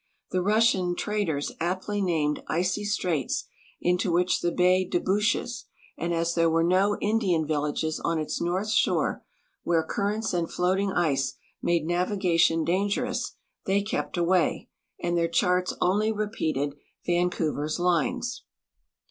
The Russian traders aptly named Icy straits into which the bay debouches, and as there were no Indian villages on its north shore, where currents and floating ice made navigation dangerous, they kept away, and their charts " only repeated Vancouver's lines.